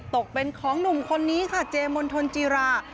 ตกเป็นของหนุ่มคนนี้ค่ะเจมนทนจีรา